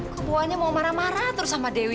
kok buahnya mau marah marah terus sama dewi